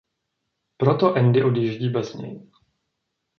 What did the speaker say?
Proto Andy odjíždí bez něj.